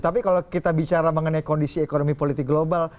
tapi kalau kita bicara mengenai kondisi ekonomi politik global